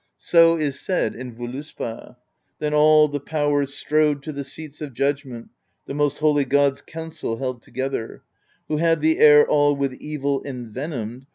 So is said in Voluspa: Then all the Powers strode to the seats of judgment, The most holy gods council held together: Who had the air all with evil envenomed.